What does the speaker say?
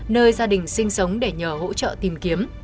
nơi gia đình sinh sống để nhờ hỗ trợ tìm kiếm